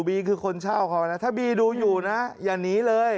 คือคนเช่าเขานะถ้าบีดูอยู่นะอย่าหนีเลย